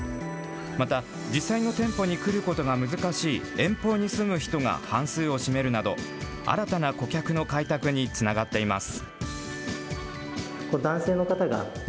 また、実際の店舗に来ることが難しい遠方に住む人が半数を占めるなど、新たな顧客の開拓につながっています。